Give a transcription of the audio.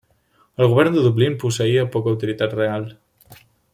El govern de Dublín posseïa poca autoritat real.